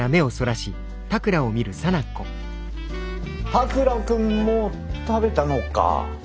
田倉君も食べたのか？